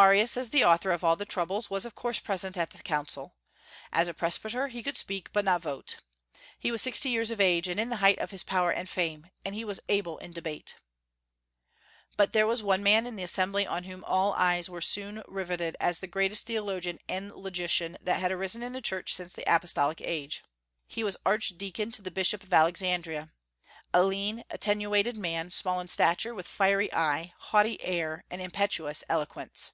Arius, as the author of all the troubles, was of course present at the council. As a presbyter he could speak, but not vote. He was sixty years of age, and in the height of his power and fame, and he was able in debate. But there was one man in the assembly on whom all eyes were soon riveted as the greatest theologian and logician that had arisen in the Church since the apostolic age. He was archdeacon to the bishop of Alexandria, a lean, attenuated man, small in stature, with fiery eye, haughty air, and impetuous eloquence.